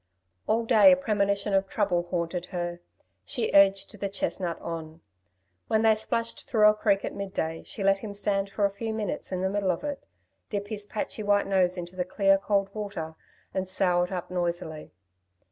All day a premonition of trouble haunted her. She urged the chestnut on. When they splashed through a creek at midday, she let him stand for a few minutes in the middle of it, dip his patchy white nose into the clear, cold water, and sough it up noisily.